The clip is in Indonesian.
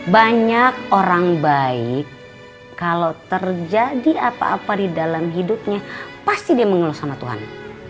banyak orang baik kalau terjadi apa apa di dalam hidupnya pasti dia mengeluh sama tuhan